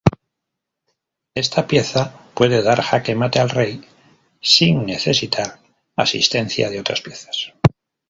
Esta pieza puede dar jaque mate al Rey sin necesitar asistencia de otras piezas.